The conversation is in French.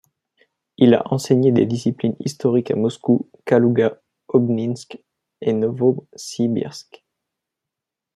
Il a enseigné des disciplines historiques à Moscou, Kalouga, Obninsk et Novossibirsk.